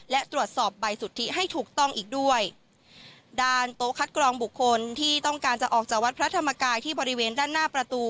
และตรวจสอบใบสุทธิให้ถูกต้องอีกด้วยด้านโต๊ะคัดกรองบุคคลที่ต้องการจะออกจากวัดพระธรรมกายที่บริเวณด้านหน้าประตู